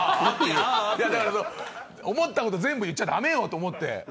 思ったこと全部言っちゃ駄目よと思って。